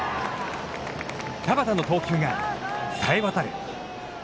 田端の投球が、さえ渡る。